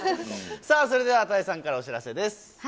さあ、それでは多江さんからお知らせです。